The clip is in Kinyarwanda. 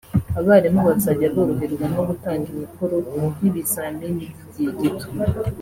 abarimu bazajya boroherwa no gutanga imikoro n’ibizamini by’igihe gito